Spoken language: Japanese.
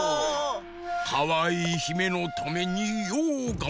かわいいひめのためにようがんばった！